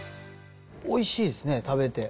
おいしいですね、食べて。